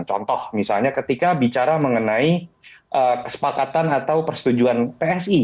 contoh misalnya ketika bicara mengenai kesepakatan atau persetujuan psi